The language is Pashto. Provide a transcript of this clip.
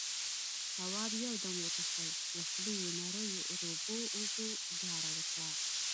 تواب يو دم وټوخل، له خولې يې نريو رڼو اوبو داره وکړه.